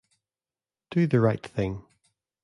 Do the right thing.